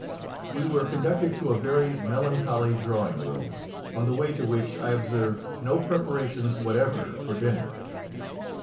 We were conducted to a very melancholy drawing room, on the way to which I observed no preparations whatever for dinner.